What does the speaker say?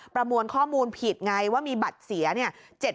ประมวลข้อมูลผิดไงว่ามีบัตรเสียเนี่ย